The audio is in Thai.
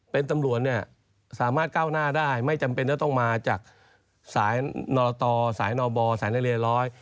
เป็นตำรวจเนี่ยสามารถก้าวหน้าได้ไม่จำเป็นจะต้องมาจากสายนรตสายนบสายละเลร้อย